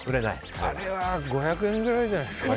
あれは５００円ぐらいじゃないですか。